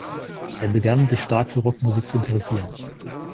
Er begann, sich stark für Rockmusik zu interessieren.